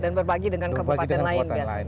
dan berbagi dengan kabupaten lain